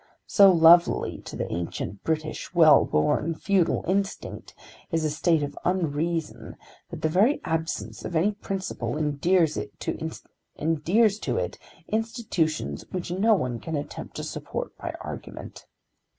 So lovely to the ancient British, well born, feudal instinct is a state of unreason, that the very absence of any principle endears to it institutions which no one can attempt to support by argument.